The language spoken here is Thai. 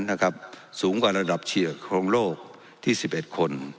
นะครับสูงกว่าระดับเฉียของโลกที่๑๑คน